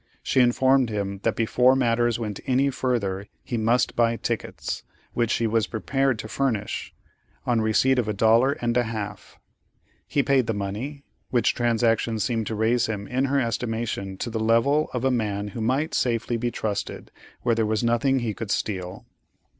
She informed him that before matters went any further, he must buy tickets, which she was prepared to furnish, on receipt of a dollar and a half; he paid the money, which transaction seemed to raise him in her estimation to the level of a man who might safely be trusted where there was nothing he could steal.